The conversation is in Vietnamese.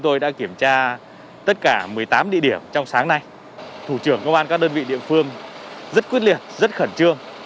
tất cả một mươi tám địa điểm trong sáng nay thủ trưởng công an các đơn vị địa phương rất quyết liệt rất khẩn trương